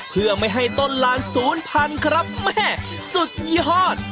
เพื่อไม่ให้ต้นลานศูนย์พันธุ์ครับแม่สุดยอด